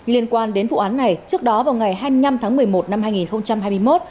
liên quan đến vụ án này trước đó vào ngày hai mươi năm tháng một mươi một năm hai nghìn hai mươi một